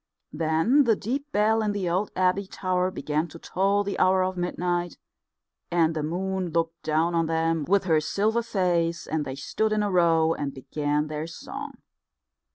Then the deep bell in the old abbey tower began to toll the hour of midnight, and the moon looked down on them with her silver face, and they stood in a row and began their song.